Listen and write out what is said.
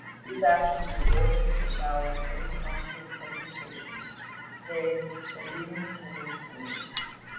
These actions mean more to me at this hour than any possible protestations, nay, than even the tenderest words.